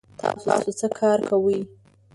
تاسو څه کار کوئ؟